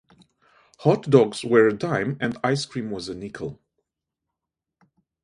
Hotdogs were a dime and ice cream was a nickel.